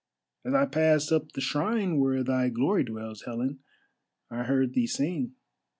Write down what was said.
"As I passed up the shrine where thy glory dwells, Helen, I heard thee sing.